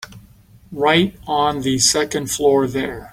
Right on the second floor there.